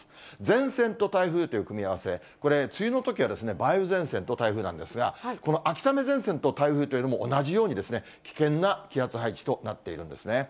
前線と台風という組み合わせ、これ、梅雨のときは梅雨前線と台風なんですが、この秋雨前線と台風というのも同じように、危険な気圧配置となっているんですね。